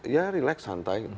ya relax santai